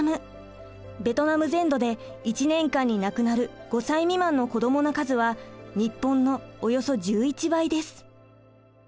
ベトナム全土で１年間に亡くなる５歳未満の子どもの数は日本のおよそ１１倍です。